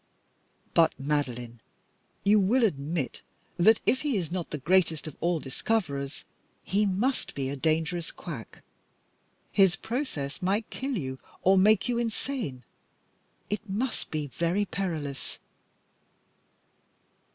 "But, Madeline, you will admit that if he is not the greatest of all discoverers, he must be a dangerous quack. His process might kill you or make you insane. It must be very perilous."